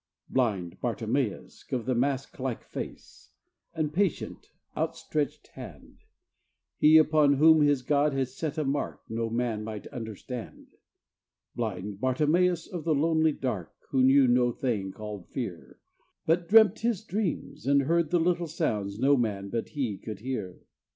Blind Bartimeus of the mask like face, And patient, outstretched hand He upon whom his God had set a mark No man might understand; Blind Bartimeus of the lonely dark, Who knew no thing called fear, But dreamt his dreams, and heard the little sounds No man but he could hear.